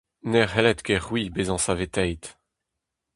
Ne c’hellit ket c’hwi bezañ saveteet.